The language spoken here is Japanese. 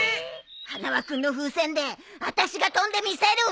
花輪君の風船であたしが飛んでみせるわ。